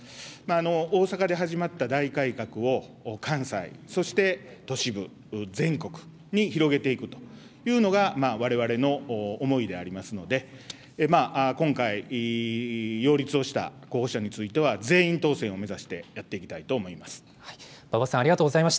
大阪で始まった大改革を関西、そして都市部、全国に広げていくというのがわれわれの思いでありますので、今回擁立をした候補者については、全員当選を目指してやっていきたいと思います。